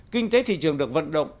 kinh tế thị trường được vận động